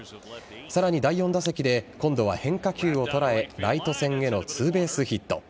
さらに第４打席で今度は変化球を捉えライト線へのツーベースヒット。